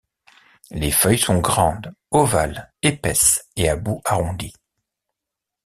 Les feuilles sont grandes, ovales, épaisses et à bout arrondi.